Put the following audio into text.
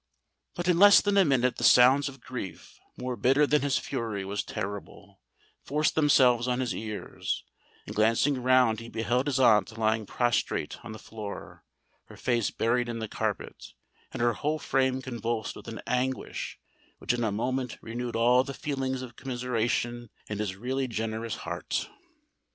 But in less than a minute the sounds of grief, more bitter than his fury was terrible, forced themselves on his ears; and glancing round, he beheld his aunt lying prostrate on the floor, her face buried in the carpet, and her whole frame convulsed with an anguish which in a moment renewed all the feelings of commiseration in his really generous heart.